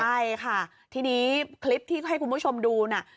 ใช่ค่ะทีนี้คลิปที่ให้คุณผู้ชมดูน่ะ